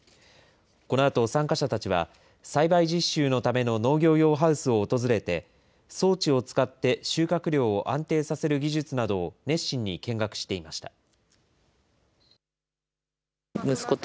このあと参加者たちは、栽培実習のための農業用ハウスを訪れて、装置を使って収穫量を安定させる技術などを熱心に見学していました。